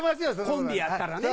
コンビやったらね